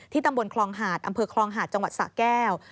ตำบลคลองหาดอำเภอคลองหาดจังหวัดสะแก้ว